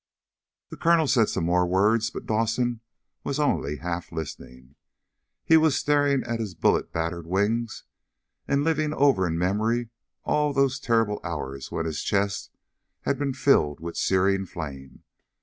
The colonel said some more words, but Dawson was only half listening. He was staring at his bullet battered wings, and living over in memory all those terrible hours when his chest had been filled with searing flame.